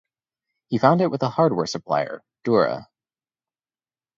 He found it with a hardware supplier, Dura.